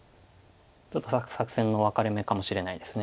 ちょっと作戦の分かれ目かもしれないです。